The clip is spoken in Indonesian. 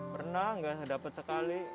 pernah nggak dapat sekali